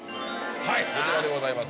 はいこちらでございます